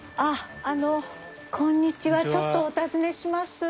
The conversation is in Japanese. こんにちはちょっとお尋ねします。